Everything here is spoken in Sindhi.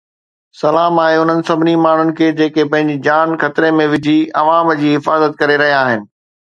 سلام آهي انهن سڀني ماڻهن کي جيڪي پنهنجي جان خطري ۾ وجهي عوام جي حفاظت ڪري رهيا آهن.